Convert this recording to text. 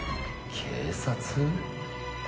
警察？